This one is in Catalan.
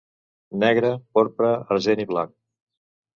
Negre, porpra, argent i blanc.